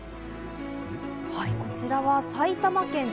こちらは埼玉県